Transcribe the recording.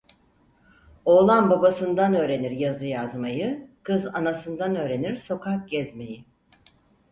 Oğlan babasından öğrenir yazı yazmayı, kız anasından öğrenir sokak gezmeyi…